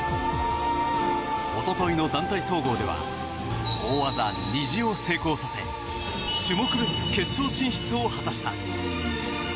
おとといの団体総合では大技、虹を成功させ種目別決勝進出を果たした。